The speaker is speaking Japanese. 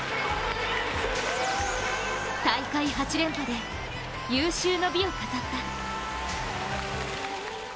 大会８連覇で有終の美を飾った。